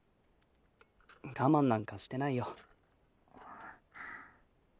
我慢なんかしてないよ。